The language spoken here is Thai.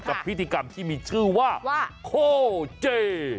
พิธีกรรมที่มีชื่อว่าโคเจ